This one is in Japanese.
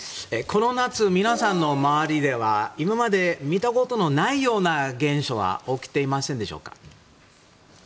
この夏皆さんの周りでは今まで見たことのないような現象が起きていませんでしょうか。